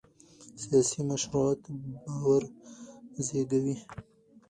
سیاسي مشروعیت باور زېږوي